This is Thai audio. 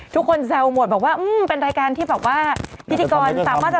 ทุกคนแซวหมดบอกว่าอืมเป็นรายการที่บอกว่าพิธีกรสามารถจะ